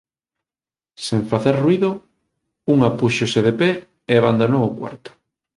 Sen facer ruído, unha púxose de pé e abandonou o cuarto.